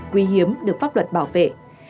quý hiếm được pháp luật bảo vệ